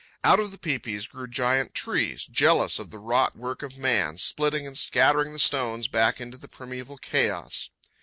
Out of the pai pais grew great trees, jealous of the wrought work of man, splitting and scattering the stones back into the primeval chaos.